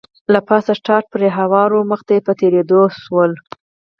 له پاسه ټاټ پرې هوار و، مخې ته په تېرېدو شول.